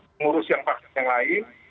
pengurus yang vaksin yang lain